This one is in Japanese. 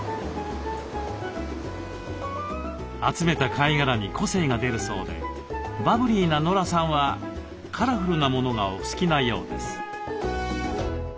集めた貝殻に個性が出るそうでバブリーなノラさんはカラフルなものがお好きなようです。